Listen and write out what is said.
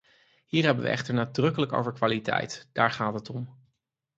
Hier hebben we het echter nadrukkelijk over kwaliteit: daar gaat het om.